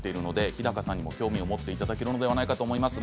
日高さんにも興味を持ってもらえるんじゃないかと思います。